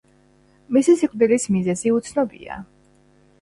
მისი სიკვდილის მიზეზი უცნობია.